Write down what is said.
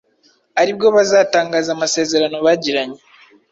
aribwo bazatangaza amasezerano bagiranye